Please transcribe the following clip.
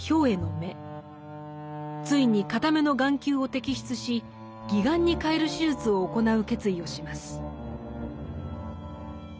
ついに片目の眼球を摘出し義眼に替える手術を行う決意をします。